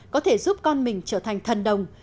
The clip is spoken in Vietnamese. có thể giúp con mình trở thành thần đồng